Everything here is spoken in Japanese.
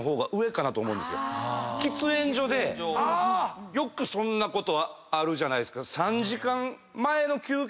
喫煙所でよくそんなことあるじゃないですか。